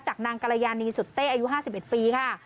นางกรยานีสุดเต้อายุ๕๑ปีค่ะ